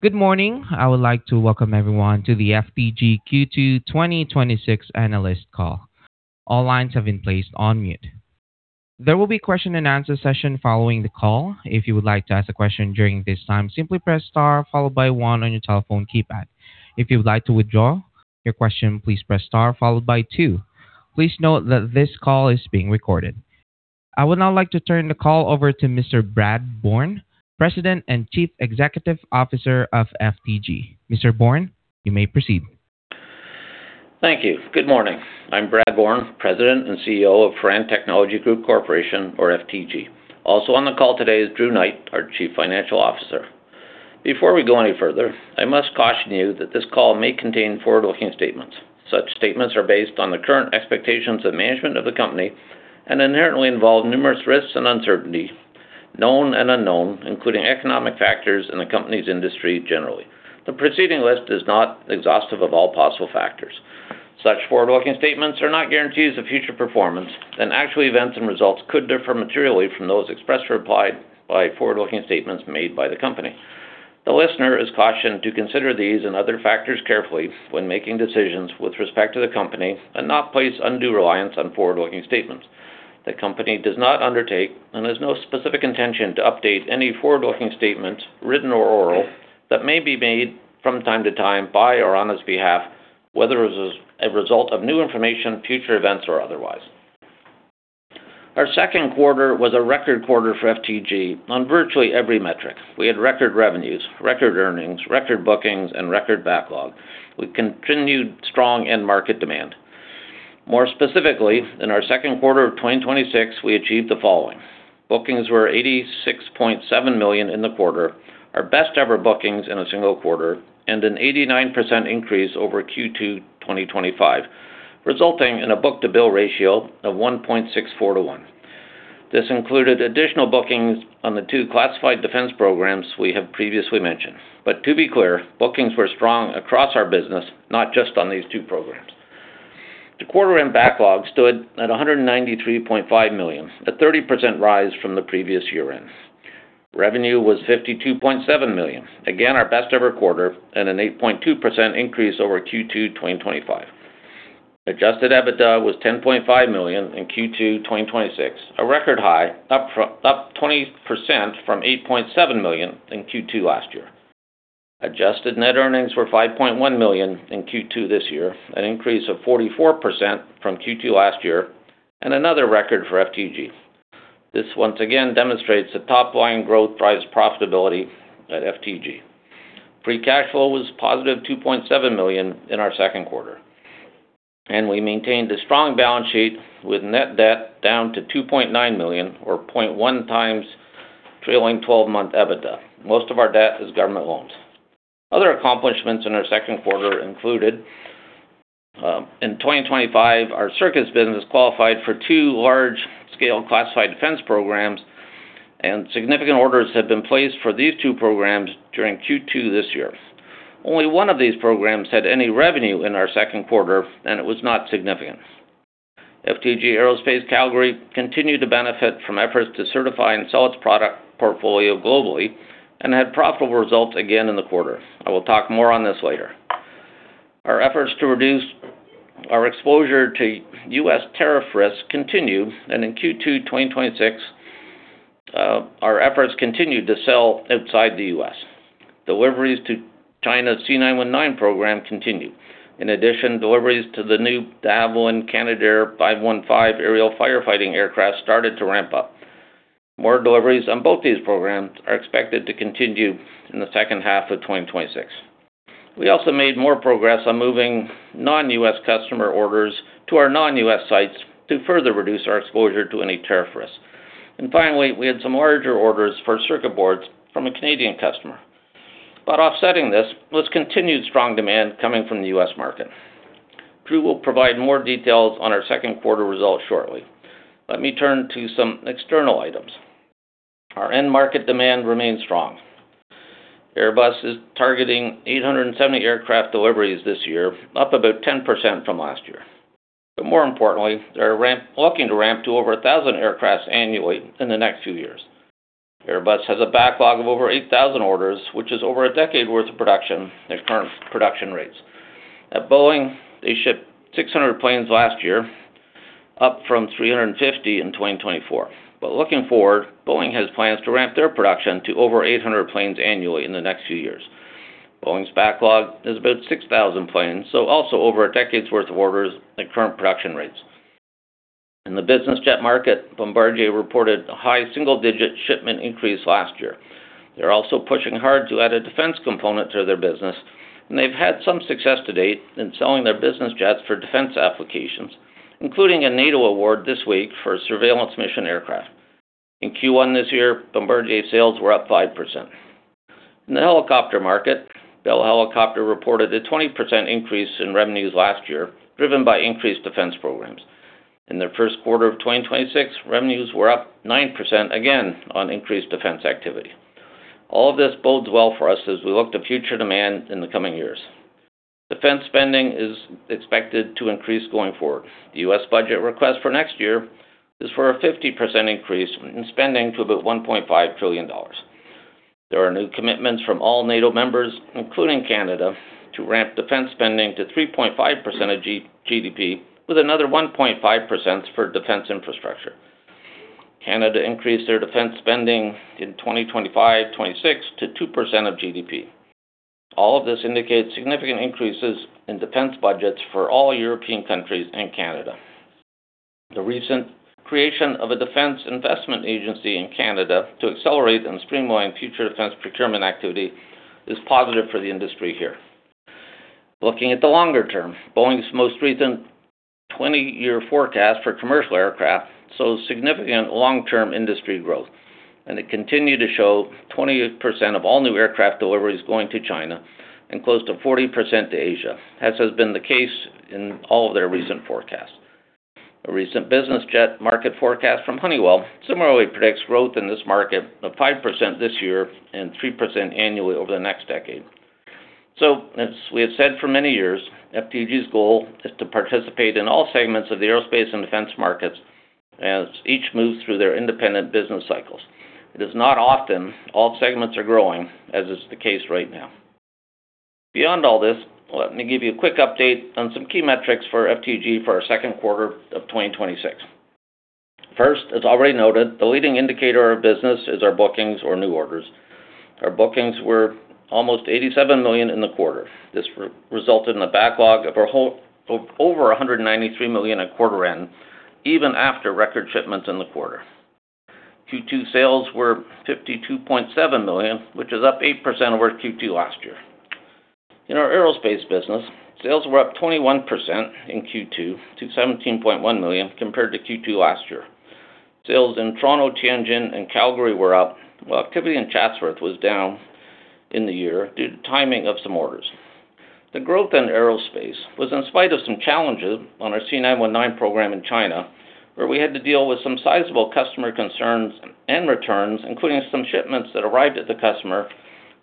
Good morning. I would like to welcome everyone to the FTG Q2 2026 analyst call. All lines have been placed on mute. There will be a question and answer session following the call. If you would like to ask a question during this time, simply press star followed by one on your telephone keypad. If you would like to withdraw your question, please press star followed by two. Please note that this call is being recorded. I would now like to turn the call over to Mr. Brad Bourne, President and Chief Executive Officer of FTG. Mr. Bourne, you may proceed. Thank you. Good morning. I'm Brad Bourne, President and CEO of Firan Technology Group Corporation, or FTG. Also on the call today is Drew Knight, our Chief Financial Officer. Before we go any further, I must caution you that this call may contain forward-looking statements. Such statements are based on the current expectations of management of the company and inherently involve numerous risks and uncertainties, known and unknown, including economic factors in the company's industry generally. The preceding list is not exhaustive of all possible factors. Such forward-looking statements are not guarantees of future performance, and actual events and results could differ materially from those expressed or implied by forward-looking statements made by the company. The listener is cautioned to consider these and other factors carefully when making decisions with respect to the company and not place undue reliance on forward-looking statements. The company does not undertake and has no specific intention to update any forward-looking statements, written or oral, that may be made from time to time by or on its behalf, whether as a result of new information, future events, or otherwise. Our second quarter was a record quarter for FTG on virtually every metric. We had record revenues, record earnings, record bookings, and record backlog with continued strong end market demand. More specifically, in our second quarter of 2026, we achieved the following. Bookings were 86.7 million in the quarter, our best-ever bookings in a single quarter, and an 89% increase over Q2 2025, resulting in a book-to-bill ratio of 1.64 to 1. This included additional bookings on the two classified defense programs we have previously mentioned. To be clear, bookings were strong across our business, not just on these two programs. The quarter end backlog stood at 193.5 million, a 30% rise from the previous year end. Revenue was 52.7 million, again, our best ever quarter, and an 8.2% increase over Q2 2025. Adjusted EBITDA was 10.5 million in Q2 2026, a record high, up 20% from 8.7 million in Q2 last year. Adjusted net earnings were 5.1 million in Q2 this year, an increase of 44% from Q2 last year and another record for FTG. This once again demonstrates that top-line growth drives profitability at FTG. Free cash flow was positive 2.7 million in our second quarter, and we maintained a strong balance sheet with net debt down to 2.9 million or 0.1x trailing 12-month EBITDA. Most of our debt is government loans. Other accomplishments in our second quarter included, in 2025, our circuits business qualified for two large-scale classified defense programs, significant orders have been placed for these two programs during Q2 this year. Only one of these programs had any revenue in our second quarter, it was not significant. FTG Aerospace Calgary continued to benefit from efforts to certify and sell its product portfolio globally and had profitable results again in the quarter. I will talk more on this later. Our efforts to reduce our exposure to U.S. tariff risks continue, in Q2 2026, our efforts continued to sell outside the U.S. Deliveries to China's C919 program continue. In addition, deliveries to the new De Havilland Canada 515 aerial firefighting aircraft started to ramp up. More deliveries on both these programs are expected to continue in the second half of 2026. We also made more progress on moving non-U.S. customer orders to our non-U.S. sites to further reduce our exposure to any tariff risk. Finally, we had some larger orders for circuit boards from a Canadian customer. Offsetting this was continued strong demand coming from the U.S. market. Drew will provide more details on our second quarter results shortly. Let me turn to some external items. Our end-market demand remains strong. Airbus is targeting 870 aircraft deliveries this year, up about 10% from last year. More importantly, they're looking to ramp to over 1,000 aircraft annually in the next few years. Airbus has a backlog of over 8,000 orders, which is over a decade worth of production at current production rates. At Boeing, they shipped 600 planes last year, up from 350 in 2024. Looking forward, Boeing has plans to ramp their production to over 800 planes annually in the next few years. Boeing's backlog is about 6,000 planes, so also over a decade's worth of orders at current production rates. In the business jet market, Bombardier reported a high single-digit shipment increase last year. They're also pushing hard to add a defense component to their business, they've had some success to date in selling their business jets for defense applications, including a NATO award this week for surveillance mission aircraft. In Q1 this year, Bombardier sales were up 5%. In the helicopter market, Bell Helicopter reported a 20% increase in revenues last year, driven by increased defense programs. In their first quarter of 2026, revenues were up 9%, again, on increased defense activity. All of this bodes well for us as we look to future demand in the coming years. Defense spending is expected to increase going forward. The U.S. budget request for next year is for a 50% increase in spending to about 1.5 trillion dollars. There are new commitments from all NATO members, including Canada, to ramp defense spending to 3.5% of GDP, with another 1.5% for defense infrastructure. Canada increased their defense spending in 2025-2026 to 2% of GDP. All of this indicates significant increases in defense budgets for all European countries and Canada. The recent creation of a defense investment agency in Canada to accelerate and streamline future defense procurement activity is positive for the industry here. Looking at the longer term, Boeing's most recent 20-year forecast for commercial aircraft shows significant long-term industry growth, it continued to show 20% of all new aircraft deliveries going to China and close to 40% to Asia, as has been the case in all of their recent forecasts. A recent business jet market forecast from Honeywell similarly predicts growth in this market of 5% this year and 3% annually over the next decade. As we have said for many years, FTG's goal is to participate in all segments of the aerospace and defense markets as each moves through their independent business cycles. It is not often all segments are growing, as is the case right now. Beyond all this, let me give you a quick update on some key metrics for FTG for our second quarter of 2026. First, as already noted, the leading indicator of business is our bookings or new orders. Our bookings were almost 87 million in the quarter. This resulted in a backlog of over 193 million at quarter end, even after record shipments in the quarter. Q2 sales were 52.7 million, which is up 8% over Q2 last year. In our aerospace business, sales were up 21% in Q2 to 17.1 million compared to Q2 last year. Sales in Toronto, Tianjin, and Calgary were up, while activity in Chatsworth was down in the year due to timing of some orders. The growth in aerospace was in spite of some challenges on our C919 program in China, where we had to deal with some sizable customer concerns and returns, including some shipments that arrived at the customer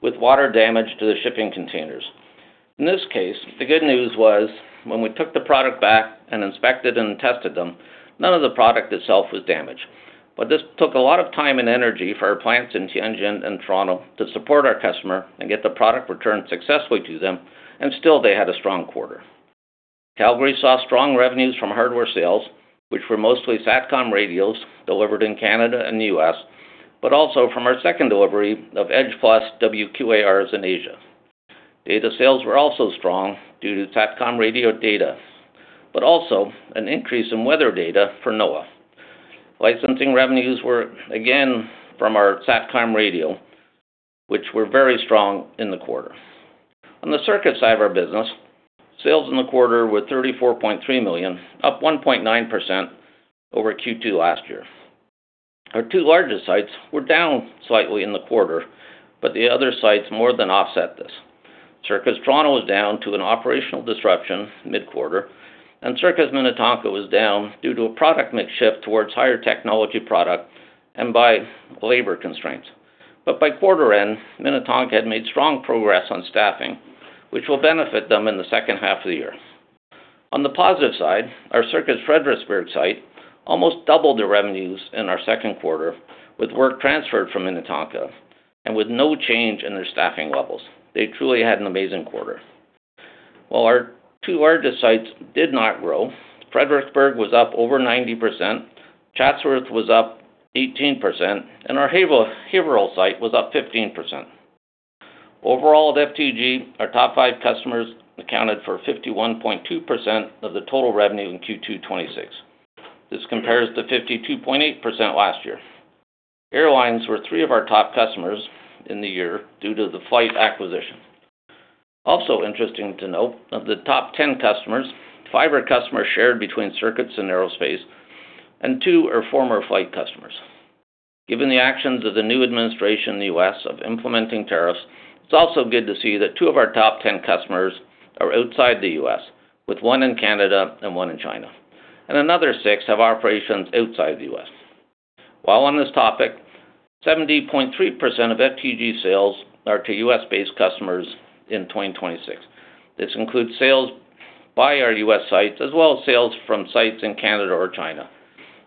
with water damage to the shipping containers. In this case, the good news was when we took the product back and inspected and tested them, none of the product itself was damaged. This took a lot of time and energy for our plants in Tianjin and Toronto to support our customer and get the product returned successfully to them, and still, they had a strong quarter. Calgary saw strong revenues from hardware sales, which were mostly Satcom radios delivered in Canada and the U.S., but also from our second delivery of Edge+ WQARs in Asia. Data sales were also strong due to Satcom radio data, but also an increase in weather data for NOAA. Licensing revenues were, again, from our Satcom radio, which were very strong in the quarter. On the circuits side of our business, sales in the quarter were 34.3 million, up 1.9% over Q2 last year. Our two largest sites were down slightly in the quarter, but the other sites more than offset this. Circuits Toronto was down to an operational disruption mid-quarter, and Circuits Minnetonka was down due to a product mix shift towards higher technology product and by labor constraints. By quarter end, Minnetonka had made strong progress on staffing, which will benefit them in the second half of the year. On the positive side, our Circuits Fredericksburg site almost doubled their revenues in our second quarter with work transferred from Minnetonka and with no change in their staffing levels. They truly had an amazing quarter. While our two largest sites did not grow, Fredericksburg was up over 90%, Chatsworth was up 18%, and our Haverhill site was up 15%. Overall at FTG, our top five customers accounted for 51.2% of the total revenue in Q2 2026. This compares to 52.8% last year. Airlines were three of our top customers in the year due to the FLYHT acquisition. Also interesting to note, of the top 10 customers, five are customers shared between Circuits and Aerospace, and two are former FLYHT customers. Given the actions of the new administration in the U.S. of implementing tariffs, it's also good to see that two of our top 10 customers are outside the U.S., with one in Canada and one in China, and another six have operations outside the U.S. While on this topic, 70.3% of FTG sales are to U.S.-based customers in 2026. This includes sales by our U.S. sites, as well as sales from sites in Canada or China.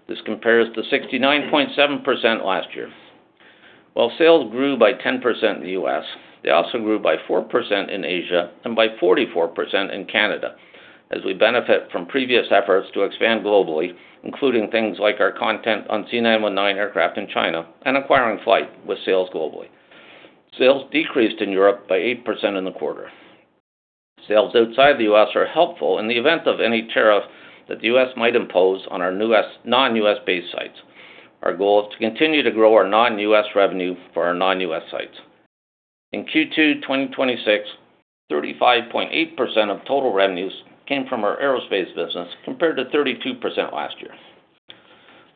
This compares to 69.7% last year. While sales grew by 10% in the U.S., they also grew by 4% in Asia and by 44% in Canada, as we benefit from previous efforts to expand globally, including things like our content on C919 aircraft in China and acquiring FLYHT with sales globally. Sales decreased in Europe by 8% in the quarter. Sales outside the U.S. are helpful in the event of any tariff that the U.S. might impose on our non-U.S.-based sites. Our goal is to continue to grow our non-U.S. revenue for our non-U.S. sites. In Q2 2026, 35.8% of total revenues came from our aerospace business, compared to 32% last year.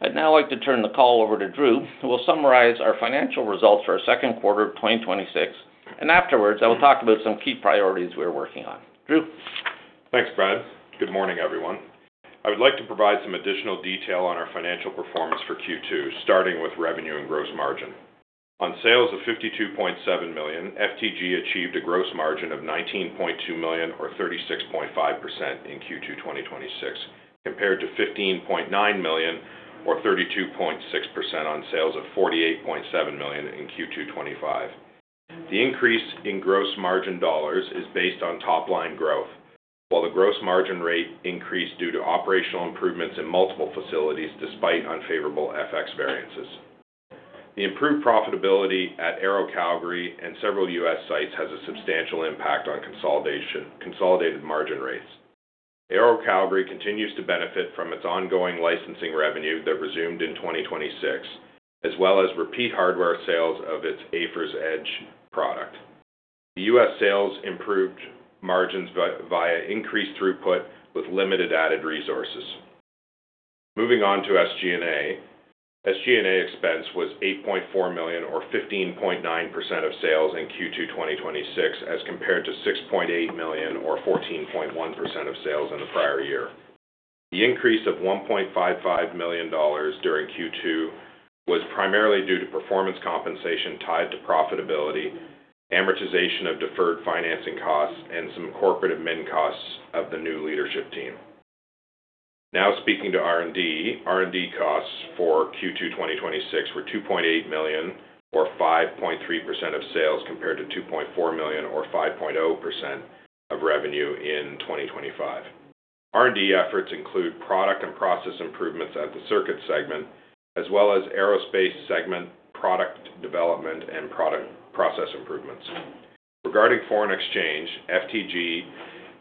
I'd now like to turn the call over to Drew, who will summarize our financial results for our second quarter of 2026, and afterwards I will talk about some key priorities we're working on. Drew? Good morning, everyone. I would like to provide some additional detail on our financial performance for Q2, starting with revenue and gross margin. On sales of 52.7 million, FTG achieved a gross margin of 19.2 million, or 36.5% in Q2 2026, compared to 15.9 million or 32.6% on sales of 48.7 million in Q2 2025. The increase in gross margin dollars is based on top-line growth, while the gross margin rate increased due to operational improvements in multiple facilities, despite unfavorable FX variances. The improved profitability at FTG Aerospace Calgary and several U.S. sites has a substantial impact on consolidated margin rates. FTG Aerospace Calgary continues to benefit from its ongoing licensing revenue that resumed in 2026, as well as repeat hardware sales of its AFIRS Edge product. The U.S. sales improved margins via increased throughput with limited added resources. Moving on to SG&A. SG&A expense was 8.4 million, or 15.9% of sales in Q2 2026, as compared to 6.8 million or 14.1% of sales in the prior year. The increase of 1.55 million dollars during Q2 was primarily due to performance compensation tied to profitability, amortization of deferred financing costs, and some corporate admin costs of the new leadership team. Now speaking to R&D. R&D costs for Q2 2026 were 2.8 million or 5.3% of sales, compared to 2.4 million or 5.0% of revenue in 2025. R&D efforts include product and process improvements at the Circuit segment, as well as Aerospace segment product development and process improvements. Regarding foreign exchange, FTG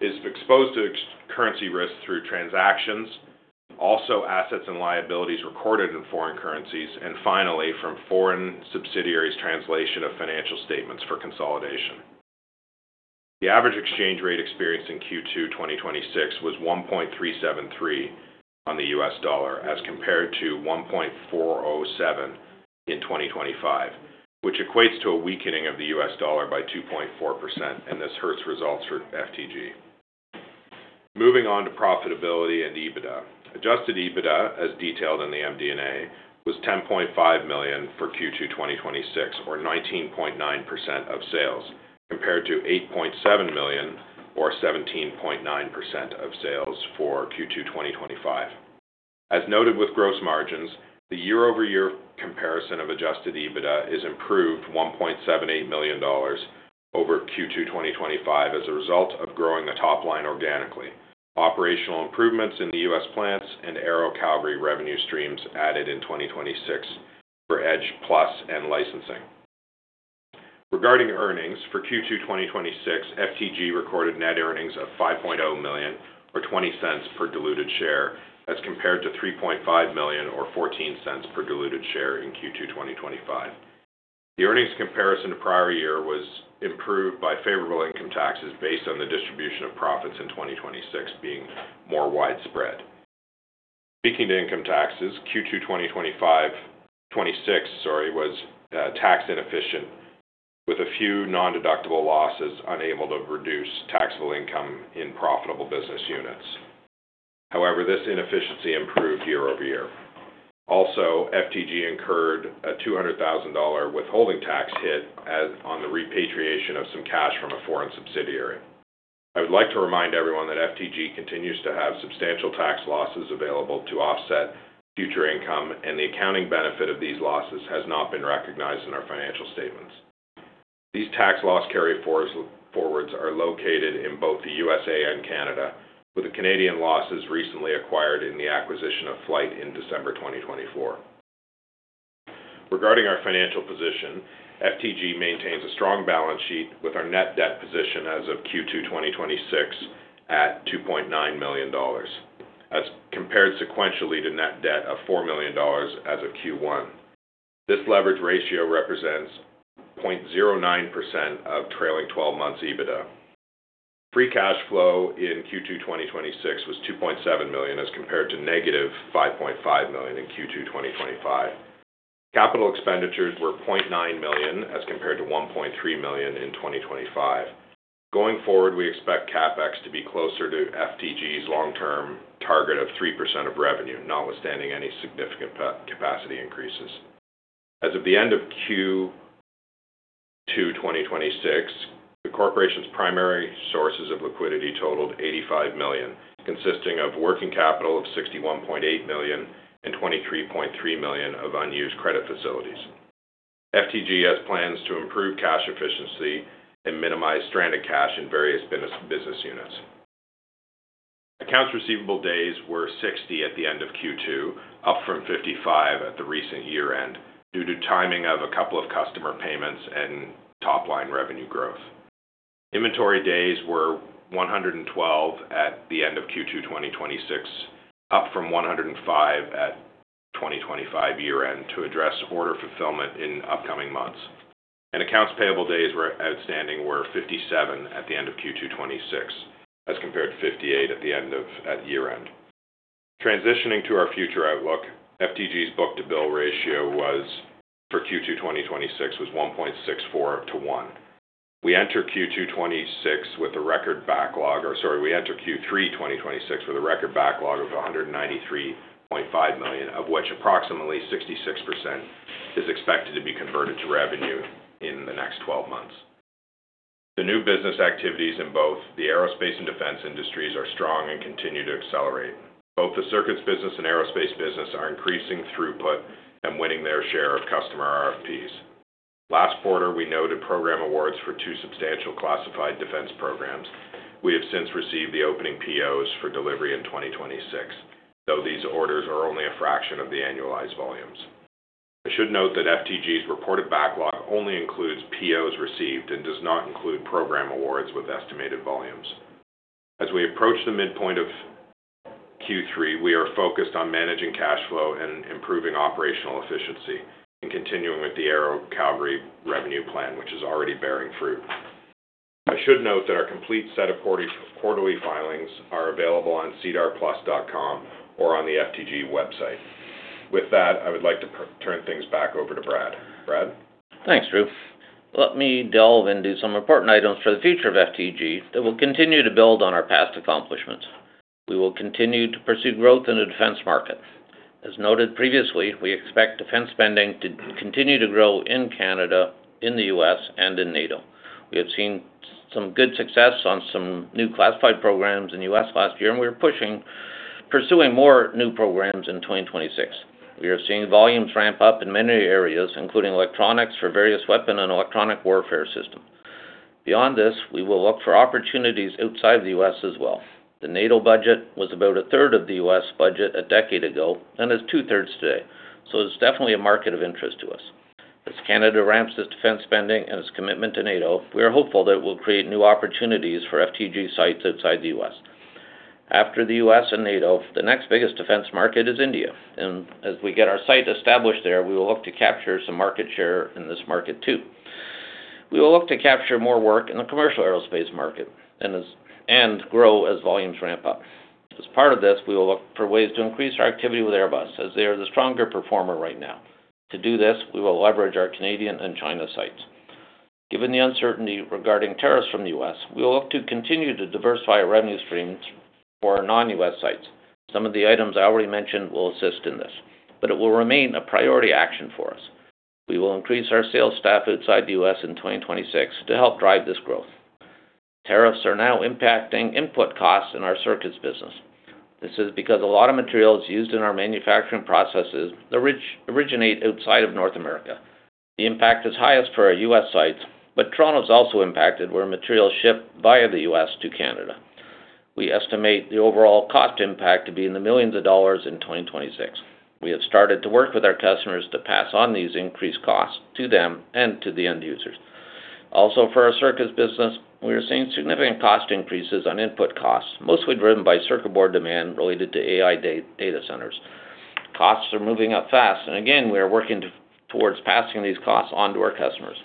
is exposed to currency risk through transactions, also assets and liabilities recorded in foreign currencies, and finally from foreign subsidiaries translation of financial statements for consolidation. The average exchange rate experienced in Q2 2026 was 1.373 on the U.S. dollar as compared to 1.407 in 2025, which equates to a weakening of the U.S. dollar by 2.4%. This hurts results for FTG. Moving on to profitability and EBITDA. Adjusted EBITDA, as detailed in the MD&A, was 10.5 million for Q2 2026 or 19.9% of sales, compared to 8.7 million or 17.9% of sales for Q2 2025. As noted with gross margins, the year-over-year comparison of adjusted EBITDA is improved 1.78 million dollars over Q2 2025 as a result of growing the top line organically. Operational improvements in the U.S. plants and Aero Calgary revenue streams added in 2026 for Edge+ and licensing. Regarding earnings, for Q2 2026, FTG recorded net earnings of 5.0 million or 0.20 per diluted share as compared to 3.5 million or 0.14 per diluted share in Q2 2025. The earnings comparison to prior year was improved by favorable income taxes based on the distribution of profits in 2026 being more widespread. Speaking to income taxes, Q2 2026 was tax inefficient, with a few non-deductible losses unable to reduce taxable income in profitable business units. However, this inefficiency improved year-over-year. FTG incurred a 200,000 dollar withholding tax hit on the repatriation of some cash from a foreign subsidiary. I would like to remind everyone that FTG continues to have substantial tax losses available to offset future income, and the accounting benefit of these losses has not been recognized in our financial statements. These tax loss carryforwards are located in both the U.S.A. and Canada, with the Canadian losses recently acquired in the acquisition of FLYHT in December 2024. Regarding our financial position, FTG maintains a strong balance sheet with our net debt position as of Q2 2026 at 2.9 million dollars as compared sequentially to net debt of 4 million dollars as of Q1. This leverage ratio represents 0.09% of trailing 12 months EBITDA. Free cash flow in Q2 2026 was 2.7 million, as compared to negative 5.5 million in Q2 2025. Capital expenditures were 0.9 million, as compared to 1.3 million in 2025. Going forward, we expect CapEx to be closer to FTG's long-term target of 3% of revenue, notwithstanding any significant capacity increases. As of the end of Q2 2026, the corporation's primary sources of liquidity totaled 85 million, consisting of working capital of 61.8 million and 23.3 million of unused credit facilities. FTG has plans to improve cash efficiency and minimize stranded cash in various business units. Accounts receivable days were 60 at the end of Q2, up from 55 at the recent year-end due to timing of a couple of customer payments and top-line revenue growth. Inventory days were 112 at the end of Q2 2026, up from 105 at 2025 year-end to address order fulfillment in upcoming months. Accounts payable days outstanding were 57 at the end of Q2 2026, as compared to 58 at year-end. Transitioning to our future outlook, FTG's book-to-bill ratio for Q2 2026 was 1.64 to one. We enter Q3 2026 with a record backlog of 193.5 million, of which approximately 66% is expected to be converted to revenue in the next 12 months. The new business activities in both the aerospace and defense industries are strong and continue to accelerate. Both the circuits business and aerospace business are increasing throughput and winning their share of customer RFPs. Last quarter, we noted program awards for two substantial classified defense programs. We have since received the opening POs for delivery in 2026, though these orders are only a fraction of the annualized volumes. I should note that FTG's reported backlog only includes POs received and does not include program awards with estimated volumes. As we approach the midpoint of Q3, we are focused on managing cash flow and improving operational efficiency and continuing with the Aero Calgary revenue plan, which is already bearing fruit. I should note that our complete set of quarterly filings are available on sedarplus.ca or on the FTG website. With that, I would like to turn things back over to Brad. Brad? Thanks, Drew. Let me delve into some important items for the future of FTG that will continue to build on our past accomplishments. We will continue to pursue growth in the defense market. As noted previously, we expect defense spending to continue to grow in Canada, in the U.S., and in NATO. We have seen some good success on some new classified programs in the U.S. last year, we're pursuing more new programs in 2026. We are seeing volumes ramp up in many areas, including electronics for various weapon and electronic warfare systems. Beyond this, we will look for opportunities outside the U.S. as well. The NATO budget was about a third of the U.S. budget a decade ago and is two-thirds today, it's definitely a market of interest to us. As Canada ramps its defense spending and its commitment to NATO, we are hopeful that it will create new opportunities for FTG sites outside the U.S. After the U.S. and NATO, the next biggest defense market is India, as we get our site established there, we will look to capture some market share in this market too. We will look to capture more work in the commercial aerospace market and grow as volumes ramp up. As part of this, we will look for ways to increase our activity with Airbus as they are the stronger performer right now. To do this, we will leverage our Canadian and China sites. Given the uncertainty regarding tariffs from the U.S., we will look to continue to diversify revenue streams for our non-U.S. sites. Some of the items I already mentioned will assist in this, it will remain a priority action for us. We will increase our sales staff outside the U.S. in 2026 to help drive this growth. Tariffs are now impacting input costs in our circuits business. This is because a lot of materials used in our manufacturing processes originate outside of North America. The impact is highest for our U.S. sites, but Toronto's also impacted where materials ship via the U.S. to Canada. We estimate the overall cost impact to be in the millions dollars in 2026. We have started to work with our customers to pass on these increased costs to them and to the end users. For our circuits business, we are seeing significant cost increases on input costs, mostly driven by circuit board demand related to AI data centers. Costs are moving up fast. Again, we are working towards passing these costs on to our customers,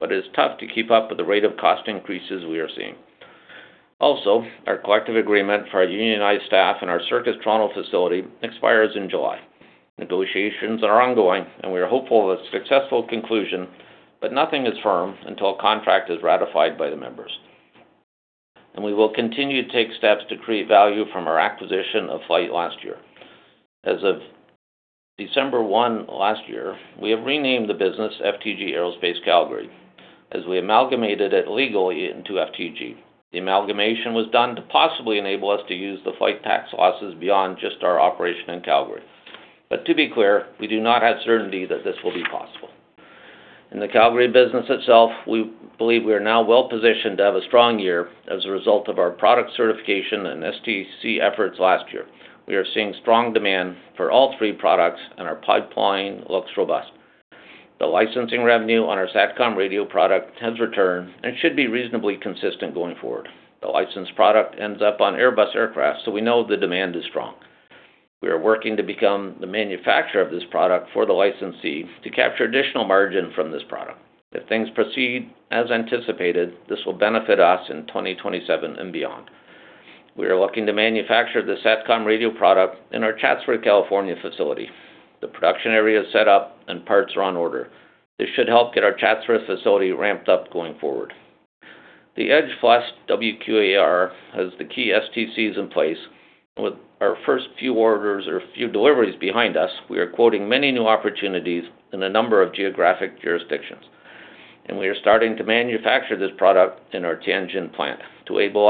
but it is tough to keep up with the rate of cost increases we are seeing. Also, our collective agreement for our unionized staff and our FTG Circuits Toronto facility expires in July. Negotiations are ongoing. We are hopeful of a successful conclusion, but nothing is firm until a contract is ratified by the members. We will continue to take steps to create value from our acquisition of FLYHT last year. As of December 1 last year, we have renamed the business FTG Aerospace Calgary, as we amalgamated it legally into FTG. The amalgamation was done to possibly enable us to use the FLYHT tax losses beyond just our operation in Calgary. To be clear, we do not have certainty that this will be possible. In the Calgary business itself, we believe we are now well-positioned to have a strong year as a result of our product certification and STC efforts last year. We are seeing strong demand for all three products. Our pipeline looks robust. The licensing revenue on our SATCOM radio product has returned and should be reasonably consistent going forward. The licensed product ends up on Airbus aircraft. We know the demand is strong. We are working to become the manufacturer of this product for the licensee to capture additional margin from this product. If things proceed as anticipated, this will benefit us in 2027 and beyond. We are looking to manufacture the SATCOM radio product in our Chatsworth, California facility. The production area is set up. Parts are on order. This should help get our Chatsworth facility ramped up going forward. The AFIRS Edge WQAR has the key STCs in place. With our first few orders or few deliveries behind us, we are quoting many new opportunities in a number of geographic jurisdictions. We are starting to manufacture this product in our Tianjin plant to enable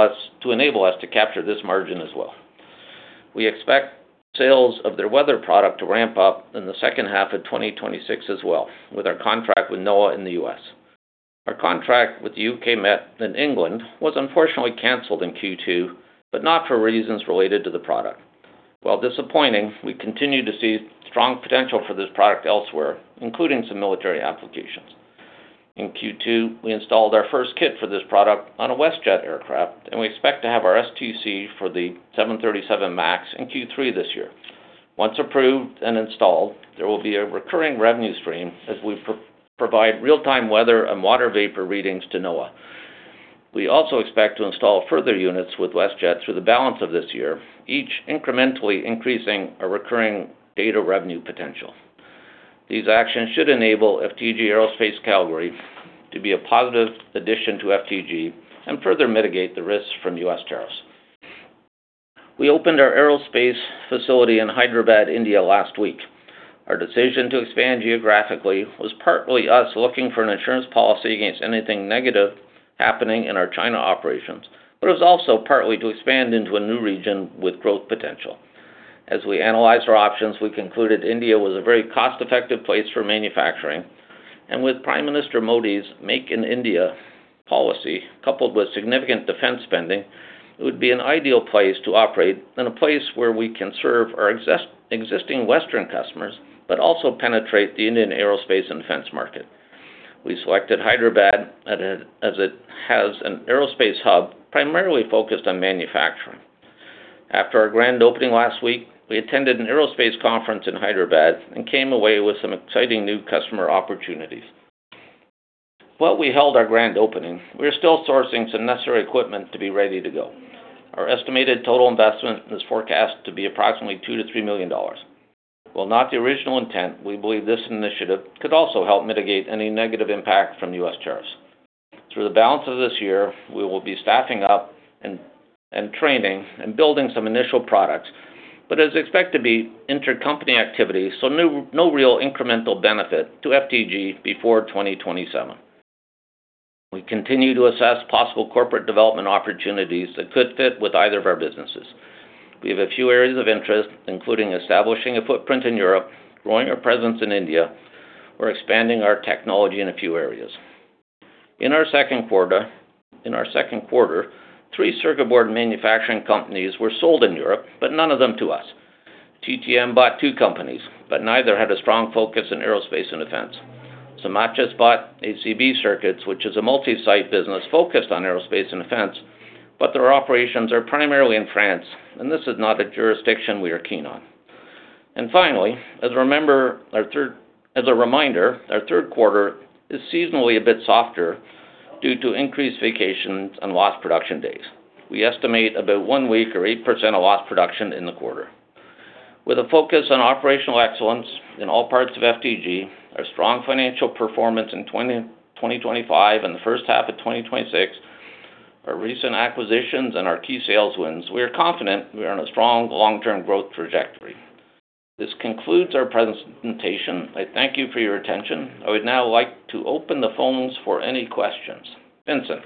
us to capture this margin as well. We expect sales of their weather product to ramp up in the second half of 2026 as well, with our contract with NOAA in the U.S. Our contract with Met Office in England was unfortunately canceled in Q2, not for reasons related to the product. While disappointing, we continue to see strong potential for this product elsewhere, including some military applications. In Q2, we installed our first kit for this product on a WestJet aircraft. We expect to have our STC for the 737 MAX in Q3 this year. Once approved and installed, there will be a recurring revenue stream as we provide real-time weather and water vapor readings to NOAA. We also expect to install further units with WestJet through the balance of this year, each incrementally increasing our recurring data revenue potential. These actions should enable FTG Aerospace Calgary to be a positive addition to FTG and further mitigate the risks from U.S. tariffs. We opened our aerospace facility in Hyderabad, India, last week. Our decision to expand geographically was partly us looking for an insurance policy against anything negative happening in our China operations, but it was also partly to expand into a new region with growth potential. As we analyzed our options, we concluded India was a very cost-effective place for manufacturing, with Prime Minister Modi's Make in India policy, coupled with significant defense spending, it would be an ideal place to operate and a place where we can serve our existing Western customers, but also penetrate the Indian aerospace and defense market. We selected Hyderabad as it has an aerospace hub, primarily focused on manufacturing. After our grand opening last week, we attended an aerospace conference in Hyderabad and came away with some exciting new customer opportunities. While we held our grand opening, we are still sourcing some necessary equipment to be ready to go. Our estimated total investment is forecast to be approximately 2 million to 3 million dollars. While not the original intent, we believe this initiative could also help mitigate any negative impact from U.S. tariffs. Through the balance of this year, we will be staffing up and training and building some initial products, but as expected, the intercompany activity, no real incremental benefit to FTG before 2027. We continue to assess possible corporate development opportunities that could fit with either of our businesses. We have a few areas of interest, including establishing a footprint in Europe, growing our presence in India, or expanding our technology in a few areas. In our second quarter, three circuit board manufacturing companies were sold in Europe, but none of them to us. TTM bought two companies, but neither had a strong focus in aerospace and defense. Somacis bought Group ACB, which is a multi-site business focused on aerospace and defense, but their operations are primarily in France, and this is not a jurisdiction we are keen on. Finally, as a reminder, our third quarter is seasonally a bit softer due to increased vacations and lost production days. We estimate about one week or 8% of lost production in the quarter. With a focus on operational excellence in all parts of FTG, our strong financial performance in 2025 and the first half of 2026, our recent acquisitions, and our key sales wins, we are confident we are on a strong long-term growth trajectory. This concludes our presentation. I thank you for your attention. I would now like to open the phones for any questions. Vincent.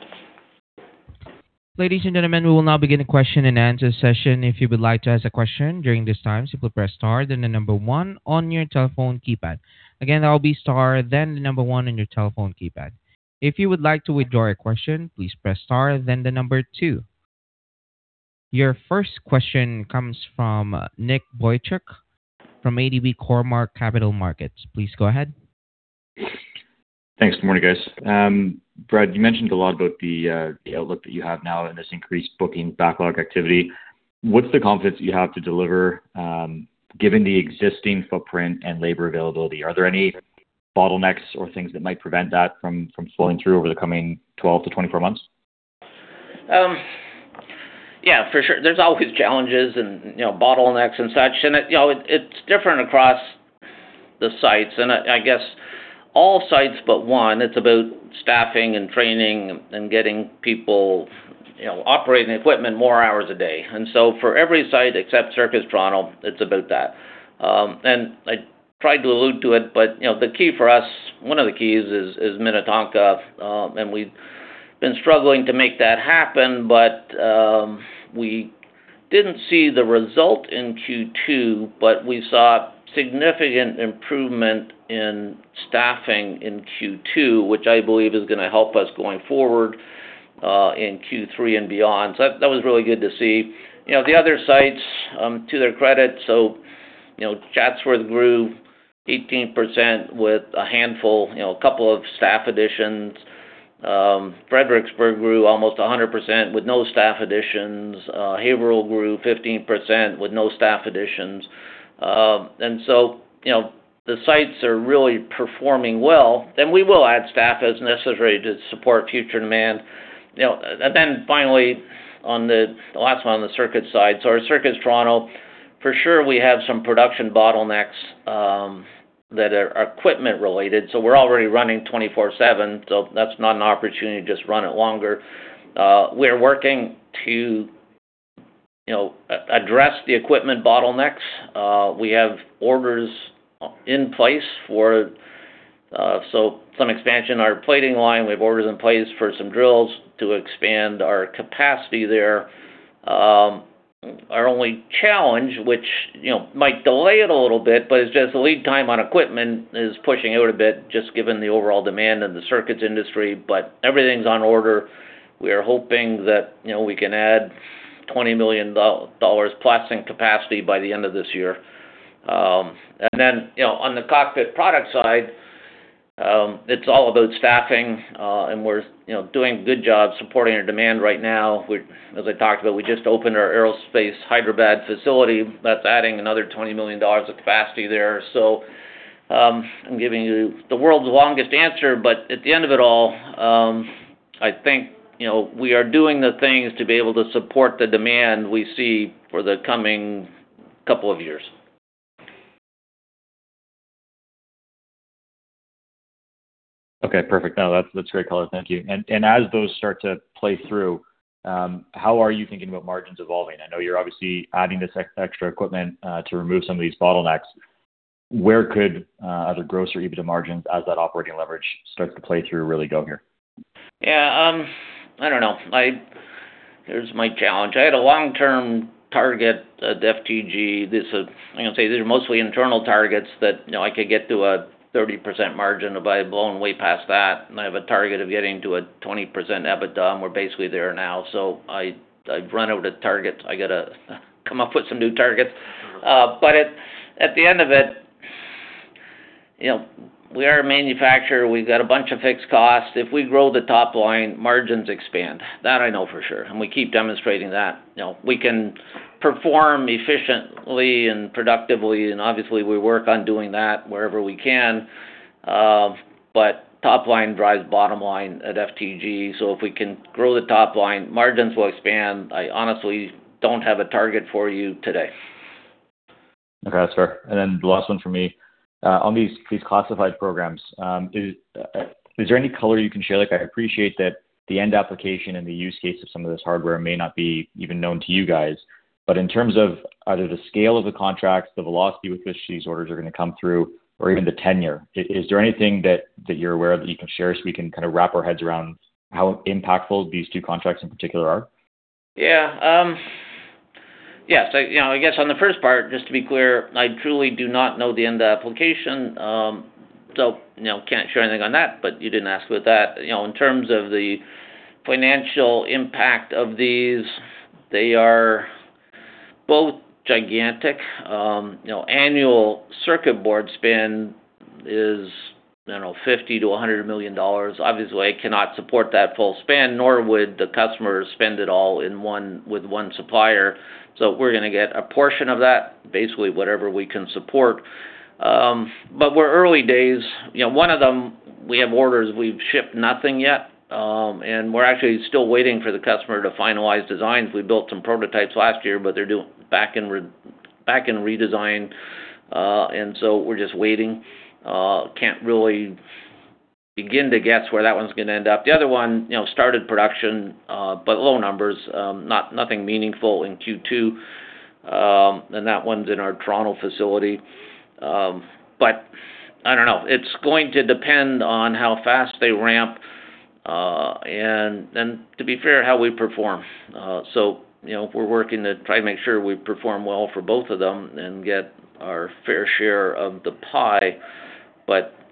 Ladies and gentlemen, we will now begin the question and answer session. If you would like to ask a question during this time, simply press star, then the number one on your telephone keypad. Again, that will be star, then the number one on your telephone keypad. If you would like to withdraw your question, please press star, then the number two. Your first question comes from Nicholas Boychuk from ATB Cormark Capital Markets. Please go ahead. Thanks. Good morning, guys. Brad, you mentioned a lot about the outlook that you have now and this increased booking backlog activity. What's the confidence you have to deliver given the existing footprint and labor availability? Are there any bottlenecks or things that might prevent that from flowing through over the coming 12 months to 24 months? Yeah, for sure. There's always challenges and bottlenecks and such. It's different across the sites, and I guess all sites but one, it's about staffing and training and getting people operating equipment more hours a day. For every site except FTG Circuits Toronto, it's about that. I tried to allude to it, but one of the keys is FTG Circuits Minnetonka. We've been struggling to make that happen, but we didn't see the result in Q2, but we saw significant improvement in staffing in Q2, which I believe is going to help us going forward in Q3 and beyond. That was really good to see. The other sites, to their credit, Chatsworth grew 18% with a handful, a couple of staff additions. FTG Circuits Fredericksburg grew almost 100% with no staff additions. Haverhill grew 15% with no staff additions. The sites are really performing well, and we will add staff as necessary to support future demand. Finally, the last one on the Circuits side, our FTG Circuits Toronto, for sure, we have some production bottlenecks that are equipment related. We're already running 24/7, so that's not an opportunity to just run it longer. We're working to address the equipment bottlenecks. We have orders in place for some expansion in our plating line. We have orders in place for some drills to expand our capacity there. Our only challenge, which might delay it a little bit, but it's just the lead time on equipment is pushing it out a bit just given the overall demand in the circuits industry, but everything's on order. We are hoping that we can add 20 million dollars plasting capacity by the end of this year. On the cockpit product side, it's all about staffing, and we're doing a good job supporting our demand right now. As I talked about, we just opened our FTG Aerospace Hyderabad facility. That's adding another 20 million dollars of capacity there. I'm giving you the world's longest answer, but at the end of it all, I think we are doing the things to be able to support the demand we see for the coming couple of years. Okay, perfect. No, that's great color. Thank you. As those start to play through, how are you thinking about margins evolving? I know you're obviously adding this extra equipment to remove some of these bottlenecks. Where could either gross or EBITDA margins, as that operating leverage starts to play through, really go here? Yeah. I don't know. There's my challenge. I had a long-term target at FTG. I'm going to say these are mostly internal targets that I could get to a 30% margin, but I've blown way past that, and I have a target of getting to a 20% EBITDA, and we're basically there now. I've run out of targets. I've got to come up with some new targets. Sure. At the end of it, we are a manufacturer. We've got a bunch of fixed costs. If we grow the top line, margins expand. That I know for sure. We keep demonstrating that. We can perform efficiently and productively. Obviously, we work on doing that wherever we can. Top line drives bottom line at FTG, so if we can grow the top line, margins will expand. I honestly don't have a target for you today. Okay, that's fair. Then the last one from me. On these classified programs, is there any color you can share? I appreciate that the end application and the use case of some of this hardware may not be even known to you guys, but in terms of either the scale of the contracts, the velocity with which these orders are going to come through, or even the tenure, is there anything that you're aware of that you can share so we can kind of wrap our heads around how impactful these two contracts, in particular, are? Yeah. I guess on the first part, just to be clear, I truly do not know the end application, so can't share anything on that. You didn't ask about that. In terms of the financial impact of these, they are both gigantic. Annual circuit board spend is 50 million-100 million dollars. Obviously, I cannot support that full spend, nor would the customers spend it all with one supplier. We're going to get a portion of that, basically whatever we can support. We're early days. One of them, we have orders, we've shipped nothing yet. We're actually still waiting for the customer to finalize designs. We built some prototypes last year, but they're doing back-end redesign. We're just waiting. Can't really begin to guess where that one's going to end up. The other one started production, but low numbers, nothing meaningful in Q2. That one's in our Toronto facility. I don't know. It's going to depend on how fast they ramp, and to be fair, how we perform. We're working to try to make sure we perform well for both of them and get our fair share of the pie.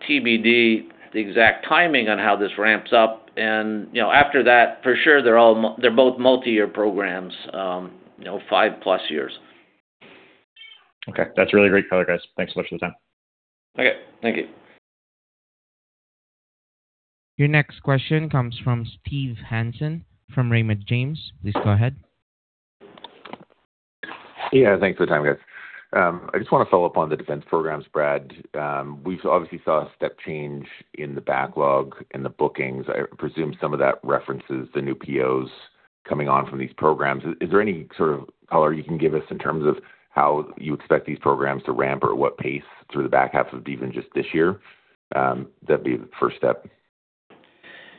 TBD, the exact timing on how this ramps up, and after that, for sure, they're both multi-year programs, five plus years. Okay. That's really great color, guys. Thanks so much for the time. Okay, thank you. Your next question comes from Please go ahead. Yeah, thanks for the time, guys. I just want to follow up on the defense programs, Brad. We obviously saw a step change in the backlog and the bookings. I presume some of that references the new POs coming on from these programs. Is there any sort of color you can give us in terms of how you expect these programs to ramp or at what pace through the back half of even just this year? That'd be the first step.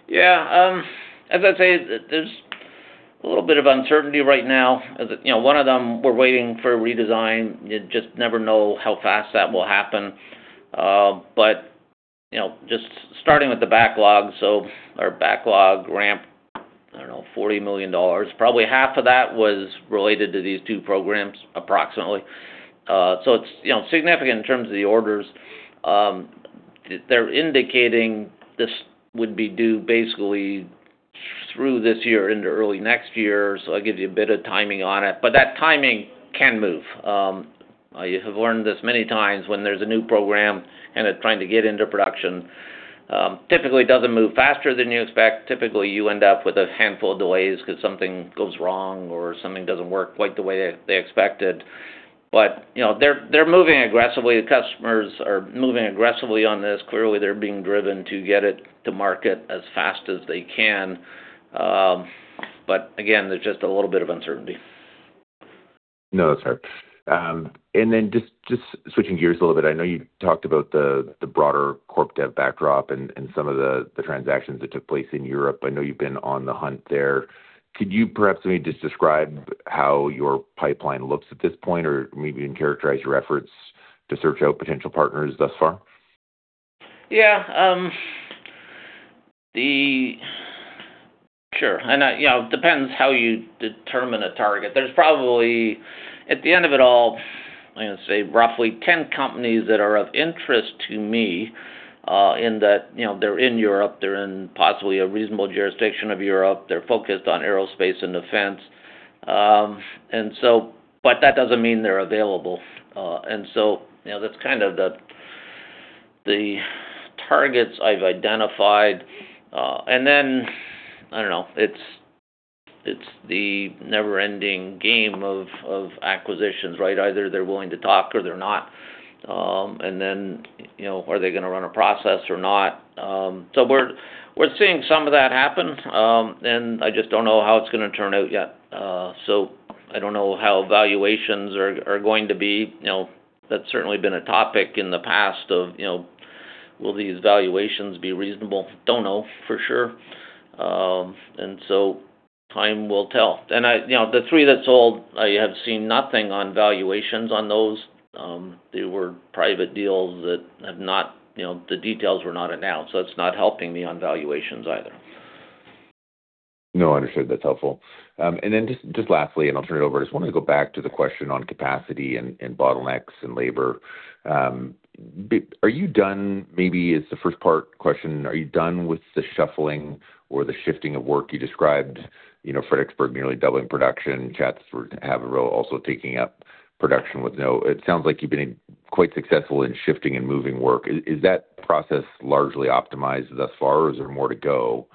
Yeah. As I say, there's a little bit of uncertainty right now. One of them, we're waiting for a redesign. You just never know how fast that will happen. Just starting with the backlog, our backlog ramp, 40 million dollars. Probably half of that was related to these two programs, approximately. It's significant in terms of the orders. They're indicating this would be due basically through this year into early next year. That gives you a bit of timing on it, that timing can move. I have learned this many times. When there's a new program and it's trying to get into production, typically, it doesn't move faster than you expect. Typically, you end up with a handful of delays because something goes wrong or something doesn't work quite the way they expected. They're moving aggressively. The customers are moving aggressively on this. Clearly, they're being driven to get it to market as fast as they can. Again, there's just a little bit of uncertainty. No, that's fair. Just switching gears a little bit, I know you talked about the broader corp dev backdrop and some of the transactions that took place in Europe. I know you've been on the hunt there. Could you perhaps maybe just describe how your pipeline looks at this point, or maybe even characterize your efforts to search out potential partners thus far? Yeah. Sure. It depends how you determine a target. There's probably, at the end of it all, I'm going to say roughly 10 companies that are of interest to me in that they're in Europe, they're in possibly a reasonable jurisdiction of Europe, they're focused on aerospace and defense. That doesn't mean they're available. That's kind of the targets I've identified. I don't know. It's the never-ending game of acquisitions, right? Either they're willing to talk or they're not. Are they going to run a process or not? We're seeing some of that happen, and I just don't know how it's going to turn out yet. I don't know how valuations are going to be. That's certainly been a topic in the past of will these valuations be reasonable? Don't know for sure. Time will tell. The three that sold, I have seen nothing on valuations on those. They were private deals that the details were not announced, it's not helping me on valuations either. No, understood. That's helpful. Just lastly, and I'll turn it over. I just wanted to go back to the question on capacity and bottlenecks in labor. Are you done, maybe is the first part question, are you done with the shuffling or the shifting of work you described, Fredericksburg nearly doubling production, Chatsworth and Haverhill also taking up production with no-- It sounds like you've been quite successful in shifting and moving work. Is that process largely optimized thus far, or is there more to go?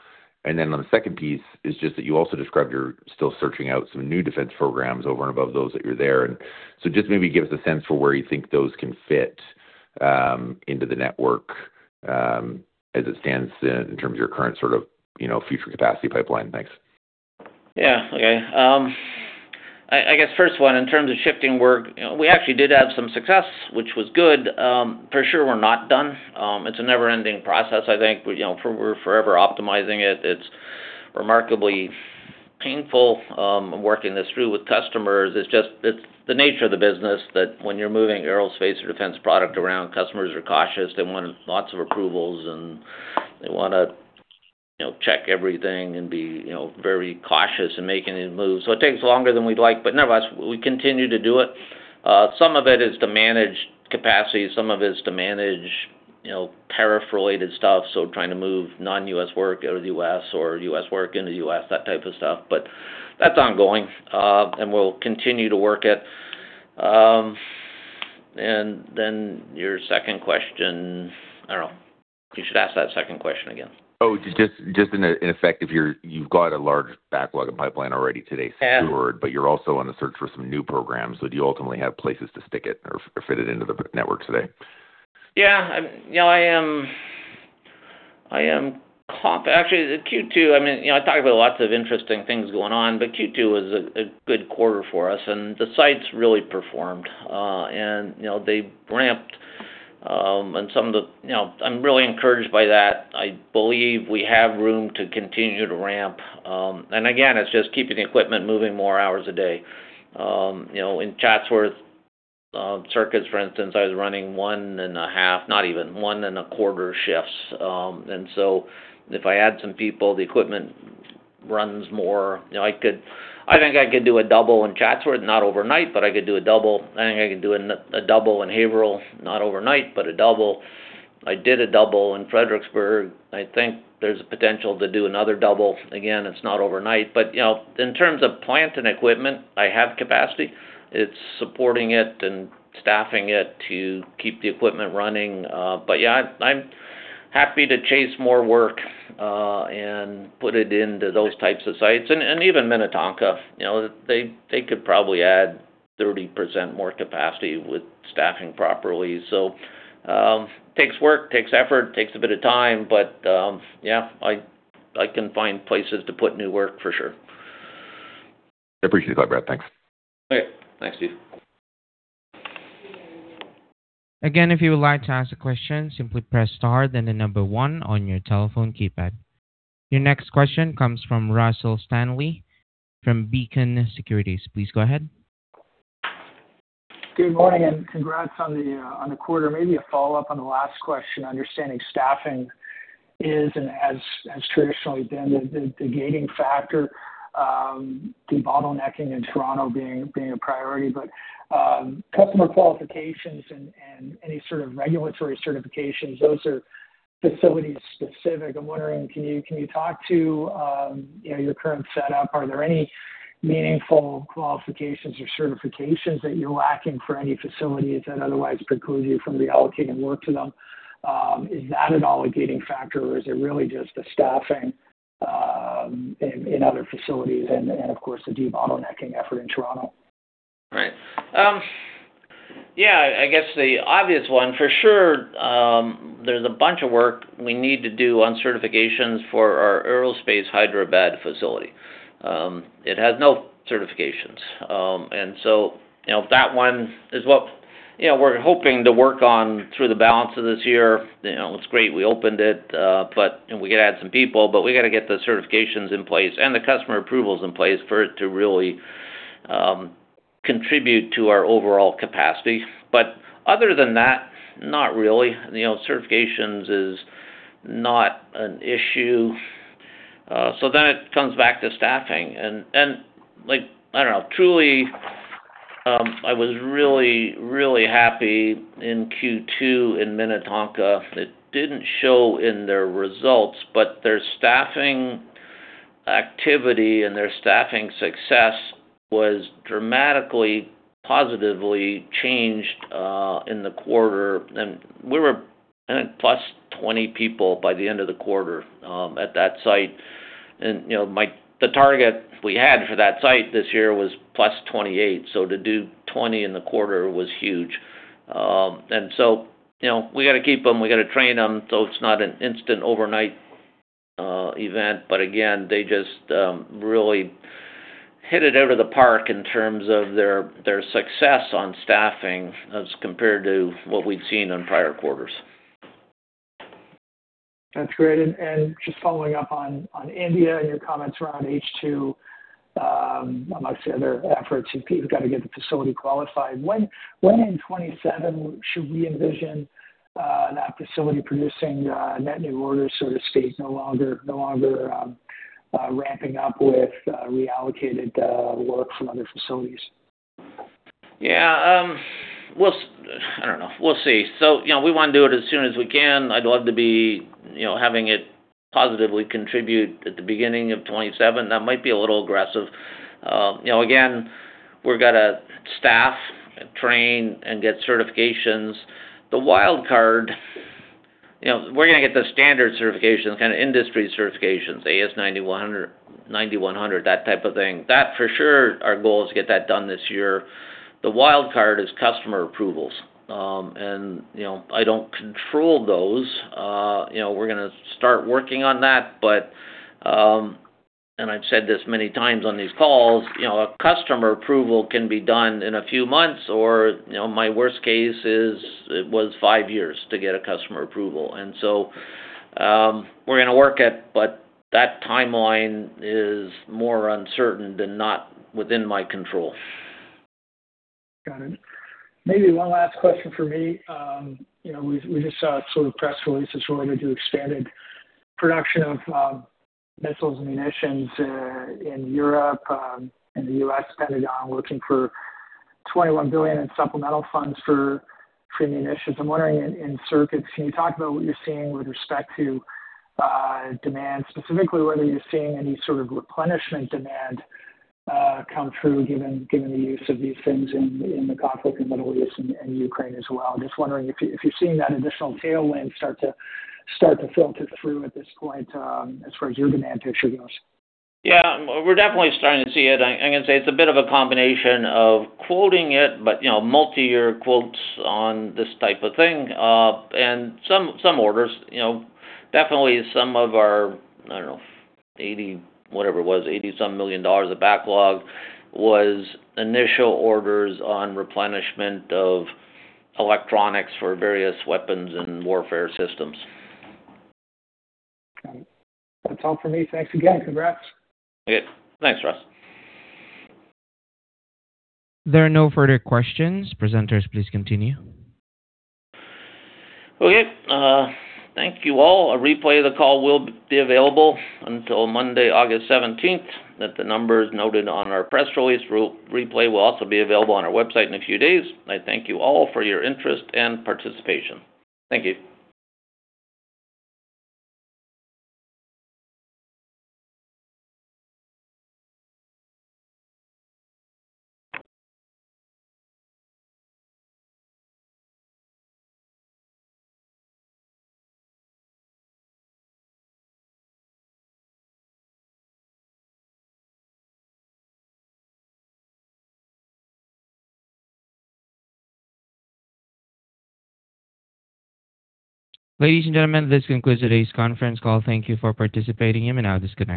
On the second piece is just that you also described you're still searching out some new defense programs over and above those that you're there. Just maybe give us a sense for where you think those can fit into the network, as it stands in terms of your current future capacity pipeline. Thanks. Yeah. Okay. I guess first one, in terms of shifting work, we actually did have some success, which was good. For sure we're not done. It's a never-ending process, I think. We're forever optimizing it. It's remarkably painful, working this through with customers. It's the nature of the business that when you're moving aerospace or defense product around, customers are cautious. They want lots of approvals, and they want to check everything and be very cautious in making any moves. It takes longer than we'd like, but nevertheless, we continue to do it. Some of it is to manage capacity, some of it is to manage tariff-related stuff, trying to move non-U.S. work out of the U.S. or U.S. work in the U.S., that type of stuff. That's ongoing, and we'll continue to work it. Your second question, I don't know. You should ask that second question again. Oh, just in effect, you've got a large backlog of pipeline already today secured, but you're also on the search for some new programs. Do you ultimately have places to stick it or fit it into the network today? Yeah. Actually, Q2, I talk about lots of interesting things going on. Q2 was a good quarter for us, and the sites really performed. They ramped. I'm really encouraged by that. I believe we have room to continue to ramp. Again, it's just keeping equipment moving more hours a day. In Chatsworth circuits, for instance, I was running one and a half, not even, one and a quarter shifts. If I add some people, the equipment runs more. I think I could do a double in Chatsworth, not overnight, but I could do a double. I think I could do a double in Haverhill, not overnight, but a double. I did a double in Fredericksburg. I think there's a potential to do another double. Again, it's not overnight, but in terms of plant and equipment, I have capacity. It's supporting it and staffing it to keep the equipment running. Yeah, I'm happy to chase more work, and put it into those types of sites. Even Minnetonka, they could probably add 30% more capacity with staffing properly. Takes work, takes effort, takes a bit of time, but, yeah, I can find places to put new work for sure. I appreciate the thought, Brad. Thanks. Okay. Thanks, Steve. Again, if you would like to ask a question, simply press star, then the number one on your telephone keypad. Your next question comes from Russell Stanley from Beacon Securities. Please go ahead. Good morning, and congrats on the quarter. Maybe a follow-up on the last question, understanding staffing is and has traditionally been the gating factor, debottlenecking in Toronto being a priority, but customer qualifications and any sort of regulatory certifications, those are facility-specific. I'm wondering, can you talk to your current setup? Are there any meaningful qualifications or certifications that you're lacking for any facilities that otherwise preclude you from reallocating work to them? Is that at all a gating factor, or is it really just the staffing in other facilities and of course, the debottlenecking effort in Toronto? Right. Yeah, I guess the obvious one, for sure, there's a bunch of work we need to do on certifications for our FTG Aerospace Hyderabad facility. It has no certifications. That one is what we're hoping to work on through the balance of this year. It's great we opened it, and we could add some people, but we got to get the certifications in place and the customer approvals in place for it to really contribute to our overall capacity. Other than that, not really. Certifications is not an issue. It comes back to staffing. Truly, I was really happy in Q2 in Minnetonka. It didn't show in their results, but their staffing activity and their staffing success was dramatically positively changed in the quarter. We were +20 people by the end of the quarter at that site. The target we had for that site this year was +28. To do 20 in the quarter was huge. We got to keep them, we got to train them. It's not an instant overnight event. Again, they just really hit it out of the park in terms of their success on staffing as compared to what we'd seen in prior quarters. That's great. Just following up on India and your comments around H2, amongst the other efforts, you've got to get the facility qualified. When in 2027 should we envision that facility producing net new orders, so to speak, no longer ramping up with reallocated work from other facilities? I don't know. We'll see. We want to do it as soon as we can. I'd love to be having it positively contribute at the beginning of 2027. That might be a little aggressive. Again, we've got to staff, train, and get certifications. The wild card, we're going to get the standard certifications, kind of industry certifications, AS9100, that type of thing. That for sure, our goal is to get that done this year. The wild card is customer approvals. I don't control those. We're going to start working on that, but, I've said this many times on these calls, a customer approval can be done in a few months, or my worst case was five years to get a customer approval. We're going to work it, but that timeline is more uncertain than not within my control. Got it. Maybe one last question from me. We just saw sort of press releases related to expanded production of missiles, munitions in Europe, and the U.S. Pentagon looking for 21 billion in supplemental funds for munitions. I'm wondering, in circuits, can you talk about what you're seeing with respect to demand, specifically whether you're seeing any sort of replenishment demand come through, given the use of these things in the conflict in the Middle East and Ukraine as well? I'm just wondering if you're seeing that additional tailwind start to filter through at this point as far as your demand picture goes. We're definitely starting to see it. I'm going to say it's a bit of a combination of quoting it, but multi-year quotes on this type of thing. Some orders, definitely some of our, I don't know, 80 whatever it was, 80 some million of backlog was initial orders on replenishment of electronics for various weapons and warfare systems. Got it. That's all from me. Thanks again. Congrats. Okay. Thanks, Russ. There are no further questions. Presenters, please continue. Okay. Thank you all. A replay of the call will be available until Monday, August 17th, at the numbers noted on our press release. Replay will also be available on our website in a few days. I thank you all for your interest and participation. Thank you. Ladies and gentlemen, this concludes today's conference call. Thank you for participating, and you may now disconnect.